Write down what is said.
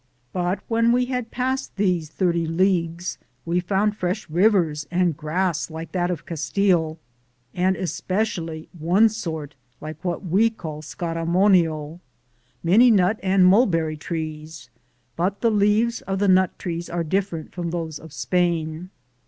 But when we had passed these 30 leagues, we found fresh rivers and grass like that of Cas tile, and especially one sort like what we call Scaramoio ; many nut and mulberry trees, but the leaves of the nut trees are dif ferent from those of Spain.